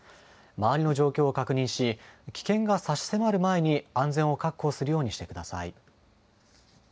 周りの状況を確認し、危険が差し迫る前に安全を確保するようにしてください。